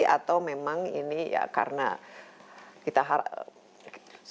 atau memang ini ya karena kita harapkan